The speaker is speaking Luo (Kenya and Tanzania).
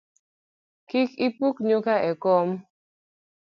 Kik ipuk nyuka e kom